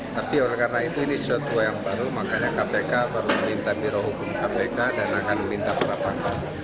tapi karena itu ini sesuatu yang baru makanya kpk perlu meminta birohukum kpk dan akan meminta para pakar